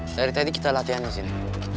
dari tadi kita latihan disini